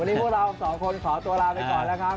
วันนี้พวกเราสองคนขอตัวลาไปก่อนแล้วครับ